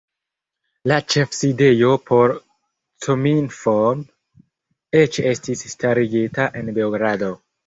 La ĉefsidejo por Cominform eĉ estis starigita en Beogrado.